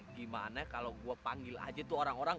gimana kalau gue panggil aja tuh orang orang